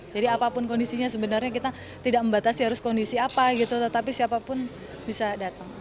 jadi apapun kondisinya sebenarnya kita tidak membatasi harus kondisi apa tetapi siapapun bisa datang